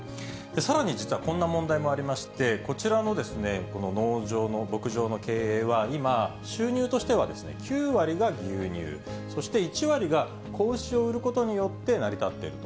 さらに実はこんな問題もありまして、こちらの農場の牧場の経営は、今、収入としては９割が牛乳、そして１割が子牛を売ることによって成り立っていると。